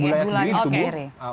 gulanya sendiri ditubuhkan